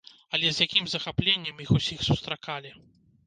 Але з якім захапленнем іх усіх сустракалі!